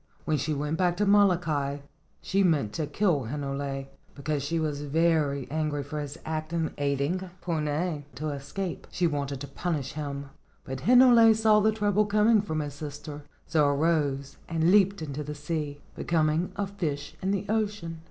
When she went back to Molokai she meant to kill Hinole, because she was very angry for his act in aiding Puna to escape. She wanted to punish him, but Hinole saw the trouble coming from his sister, so arose and leaped into the sea, becoming a fish in the ocean.